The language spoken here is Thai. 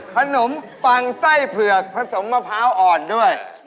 ขนมปังไส้เผือกผสมมะพร้าวอ่อนด้วย